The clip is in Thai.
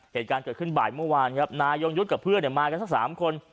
เหตุการณ์เกิดขึ้นบ่ายเมื่อวานครับนายยงยุทธ์กับเพื่อนมากันสัก๓คน